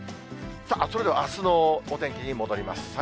それではあすのお天気に戻ります。